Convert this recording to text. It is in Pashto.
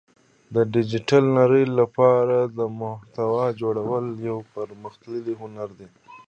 د ډیجیټل نړۍ لپاره د محتوا جوړول یو پرمختللی هنر دی